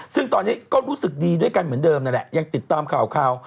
ซึ่งตอนนี้ก็รู้สึกดีด้วยกันเหมือนเดิมนั่นแหละยังติดตามข่าว